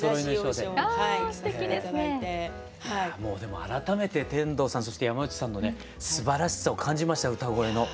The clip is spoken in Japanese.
もうでも改めて天童さんそして山内さんのねすばらしさを感じました歌声の。